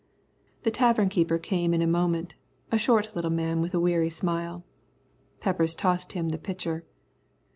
The tavern keeper came in a moment, a short little man with a weary smile. Peppers tossed him the pitcher.